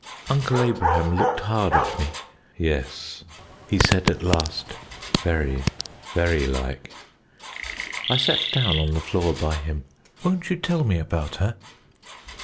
Uncle Abraham looked hard at me. "Yes," he said at last. "Very very like." I sat down on the floor by him. "Won't you tell me about her?"